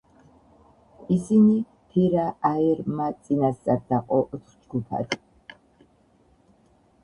ისინი ფირა-აერ-მა წინასწარ დაყო ოთხ ჯგუფად.